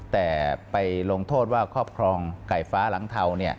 แต่ไปลงโทษว่าครอบครองไก่ฟ้าหลังเทา